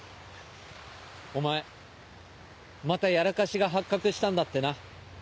お前またやらかしが発覚したんだってな。